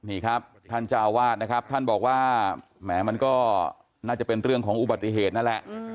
นี่ครับท่านเจ้าวาดนะครับท่านบอกว่าแหมมันก็น่าจะเป็นเรื่องของอุบัติเหตุนั่นแหละ